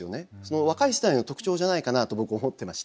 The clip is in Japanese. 若い世代の特徴じゃないかなと僕思ってまして。